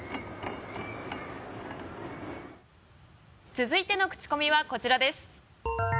続いてのクチコミはこちらです。